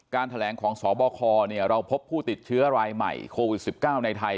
แถลงของสบคเราพบผู้ติดเชื้อรายใหม่โควิด๑๙ในไทย